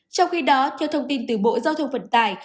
trong khi đó theo thông tin từ bộ giao thông vận tải